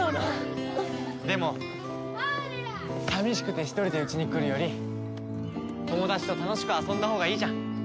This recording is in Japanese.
でも寂しくて１人でうちに来るより友達と楽しく遊んだほうがいいじゃん！